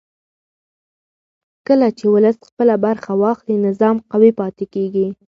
کله چې ولس خپله برخه واخلي نظام قوي پاتې کېږي